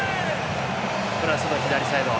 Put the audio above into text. フランスの左サイド